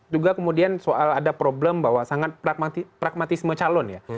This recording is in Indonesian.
juga kemudian soal ada problem bahwa sangat pragmatisme calon ya